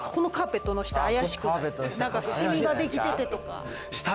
なんかシミができててとか。